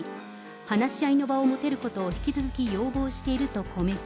話し合いの場を持てることを引き続き要望しているとコメント。